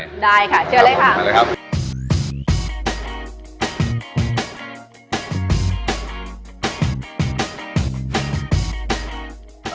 ได้ค่ะเชิญเลยค่ะมาเลยครับ